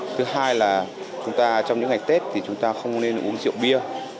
thứ hai là trong những ngày tết thì chúng ta không nên uống rượu bia